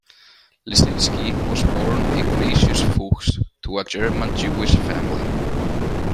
Lisinski was born Ignatius Fuchs to a German Jewish family.